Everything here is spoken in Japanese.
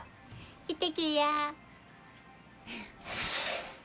行ってきいや。